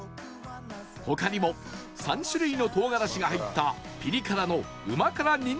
他にも３種類の唐辛子が入ったピリ辛の旨辛にんにく